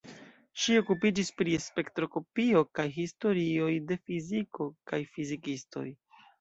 Ŝi okupiĝis pri spektroskopio kaj historioj de fiziko kaj fizikistoj.